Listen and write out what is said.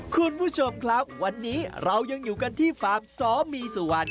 คุณผู้ชมครับวันนี้เรายังอยู่กันที่ฟาร์มสมีสุวรรณ